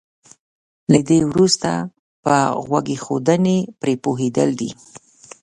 له دې وروسته په غوږ ايښودنې پرې پوهېدل دي.